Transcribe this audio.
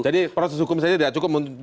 jadi proses hukum saja tidak cukup menjaring